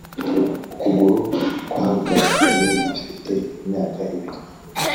Ukuguru kwagagaye afite imyaka ibiri